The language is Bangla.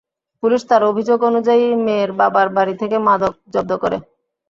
পুলিশ তাঁর অভিযোগ অনুযায়ী মেয়ের বাবার বাড়ি থেকে মাদক জব্দ করে।